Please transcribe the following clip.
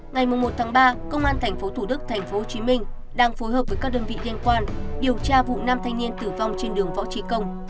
ngày một ba công an tp thủ đức tp hcm đang phối hợp với các đơn vị liên quan điều tra vụ nam thanh niên tử vong trên đường võ trí công